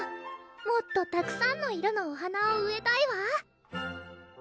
「もっとたくさんの色のお花を植えたいわ」